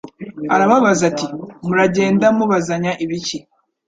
Arababaza ati: muragenda mubazanya ibiki?